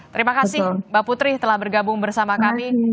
terima kasih mbak putri telah bergabung bersama kami